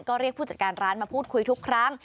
ก็เรียกผู้จัดการร้านมาพูดคุยทุกครั้ง